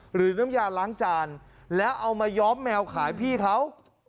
หรือน้ำยาล้างจานแล้วเอามาย้อมแมวขายพี่เขา